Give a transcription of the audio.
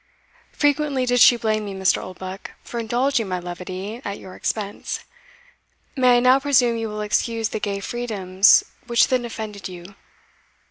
Frequently did she blame me, Mr. Oldbuck, for indulging my levity at your expense may I now presume you will excuse the gay freedoms which then offended you?